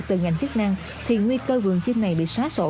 từ ngành chức năng thì nguy cơ vườn chim này bị xóa sổ